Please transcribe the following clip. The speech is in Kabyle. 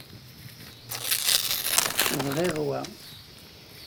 Bɣiɣ wa.